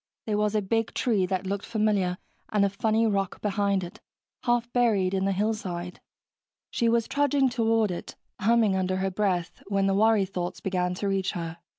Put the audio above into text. There was a big tree that looked familiar, and a funny rock behind it, half buried in the hillside. She was trudging toward it, humming under her breath, when the worry thoughts began to reach her.